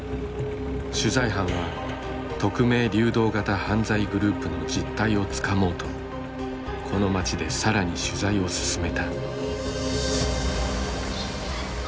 取材班は匿名・流動型犯罪グループの実態をつかもうとこの町で更に取材を進めた。